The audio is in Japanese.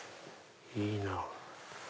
いいなぁ。